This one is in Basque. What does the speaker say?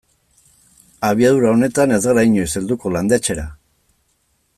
Abiadura honetan ez gara inoiz helduko landetxera.